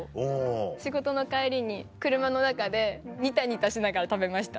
仕事の帰りに車の中でニタニタしながら食べました